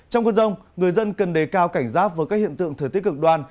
trong cơn rông người dân cần đề cao cảnh giác với các hiện tượng thời tiết cực đoan